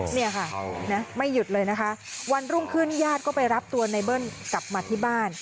เนี่ยค่ะนะไม่หยุดเลยนะคะวันรุ่งขึ้นญาติก็ไปรับตัวในเบิ้ลกลับมาที่บ้าน